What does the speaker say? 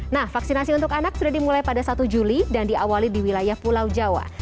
nah vaksinasi untuk anak sudah dimulai pada satu juli dan diawali di wilayah pulau jawa